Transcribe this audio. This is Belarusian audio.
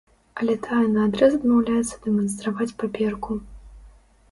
Але тая наадрэз адмаўляецца дэманстраваць паперку.